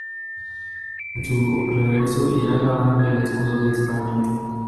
En su reverso irá grabado el escudo de España.